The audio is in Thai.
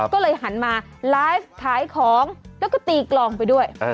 ก็เลยหันมาไลฟ์ขายของแล้วก็ตีกลองไปด้วย